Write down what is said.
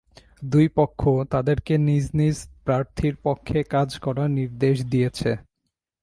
দুই পক্ষ তাঁদেরকে নিজ নিজ প্রার্থীর পক্ষে কাজ করার নির্দেশ দিয়েছে।